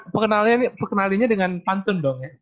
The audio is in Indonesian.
perkenalinnya dengan pantun dong ya